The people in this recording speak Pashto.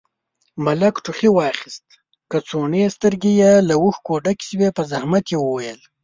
ملک ټوخي واخيست، کڅوړنې سترګې يې له اوښکو ډکې شوې، په زحمت يې وويل: